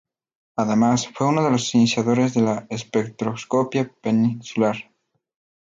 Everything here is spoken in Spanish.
Además, fue uno de los iniciadores de la espectroscopia peninsular.